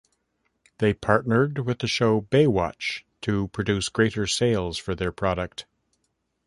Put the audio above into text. They partnered with the show "Baywatch" to produce greater sales for their product.